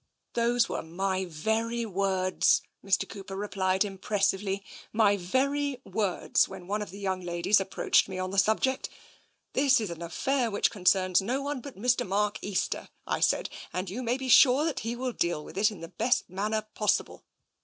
" Those were my very words," Mr. Cooper replied impressively, " my very words, when one of the young ladies approached me on the subject. This is an affair which concerns no one but Mr. Mark Easter, I said, and you may be sure that he will deal with it in the best manner possible.